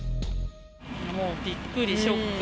もう、びっくりショック。